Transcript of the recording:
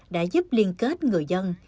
đã giúp liên kết người dân